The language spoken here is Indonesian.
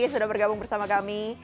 sudah bergabung bersama kami